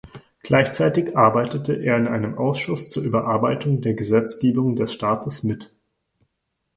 Gleichzeitig arbeitete er in einem Ausschuss zur Überarbeitung der Gesetzgebung des Staates mit.